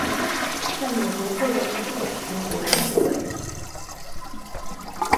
在美国获得图书馆学博士学位。